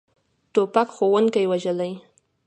توپک ښوونکي وژلي.